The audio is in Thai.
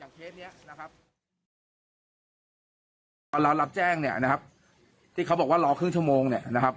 เคสเนี้ยนะครับตอนเรารับแจ้งเนี่ยนะครับที่เขาบอกว่ารอครึ่งชั่วโมงเนี่ยนะครับ